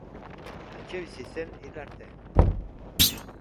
Hantxe bizi zen hil arte.